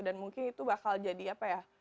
dan mungkin itu bakal jadi apa ya